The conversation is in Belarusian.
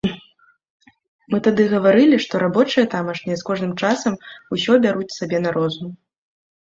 Мы тады гаварылі, што рабочыя тамашнія з кожным часам усё бяруць сабе на розум.